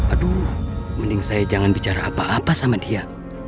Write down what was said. aduh mending saya jangan bicara apa apa sama dia